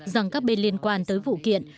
rằng các bên liên quan tới vụ kiện